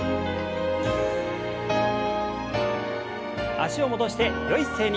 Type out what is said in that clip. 脚を戻してよい姿勢に。